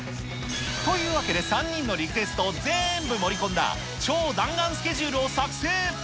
というわけで３人のリクエスト全部盛り込んだ、超弾丸スケジュールを作成。